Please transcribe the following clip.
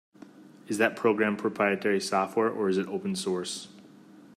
Is that program proprietary software, or is it open source?